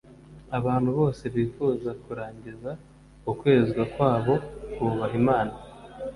Abantu bose bifuza kurangiza ukwezwa kwabo bubaha Imana,